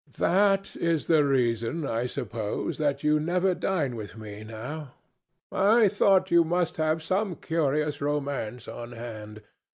"That is the reason, I suppose, that you never dine with me now. I thought you must have some curious romance on hand.